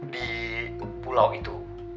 di pulau itu